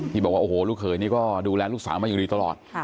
บอกว่าโอ้โหลูกเขยนี่ก็ดูแลลูกสาวมาอยู่ดีตลอด